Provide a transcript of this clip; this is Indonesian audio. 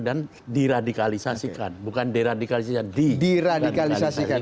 dan diradikalisasikan bukan deradikalisasikan diradikalisasikan